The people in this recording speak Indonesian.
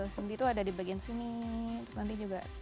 sendi itu ada di bagian sini